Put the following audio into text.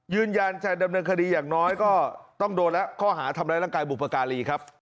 ยืนยันจะดำเนินคดีอย่างน้อยก็ต้องโดนแล้วข้อหาทำร้ายร่างกายบุพการีครับ